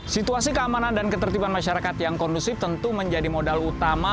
situasi keamanan dan ketertiban masyarakat yang kondusif tentu menjadi modal utama